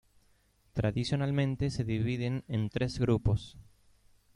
Tradicionalmente se dividen en tres grupos.